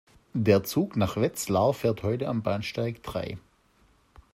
Der Zug nach Wetzlar fährt heute am Bahnsteig drei